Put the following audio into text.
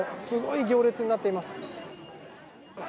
すごい行列になっています。